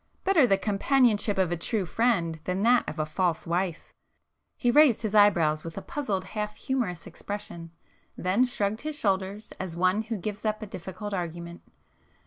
Better the companionship of a true friend than that of a false wife!" He raised his eyebrows with a puzzled half humorous expression—then shrugged his shoulders, as one who gives up a difficult argument.